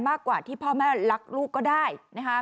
มากกว่าที่พ่อแม่รักลูกก็ได้นะคะ